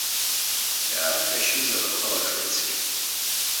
Иаарҟьашьызар, ахала аҽарыцқьап.